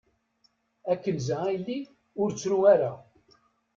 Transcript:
A Kenza a yelli ur ttru-ara.